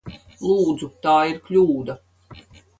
Lūdzu! Tā ir kļūda!